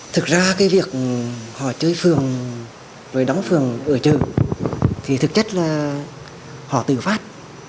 thực ra cái việc họ chơi phường và đóng phường ở chợ thì thực chất là họ tử phát